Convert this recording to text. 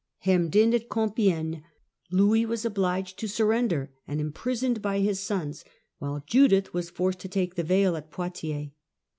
Hemmed in at Com piegne, Louis was obliged to surrender and was im prisoned by his sons, while Judith was forced to take the veil at Poictiers.